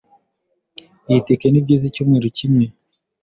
Iyi tike nibyiza icyumweru kimwe.